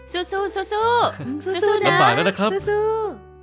สู้สู้สู้นะสู้